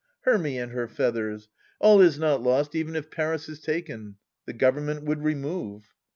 Hermy and her feathers 1 All is not lost even if Paris is taken. The Govern ment would remove."